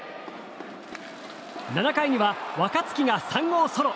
７回には若月が３号ソロ。